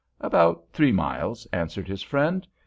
"About three miles," answered his friend.